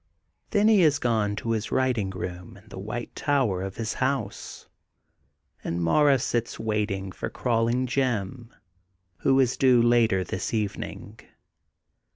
'' Then he is gone to his writing room in the white tower of his house, and Mara sits wait ing for Crawling Jim, who is due later this evening.